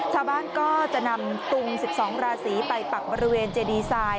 ชาวบ้านก็จะนำตุง๑๒ราศีไปปักบริเวณเจดีไซน์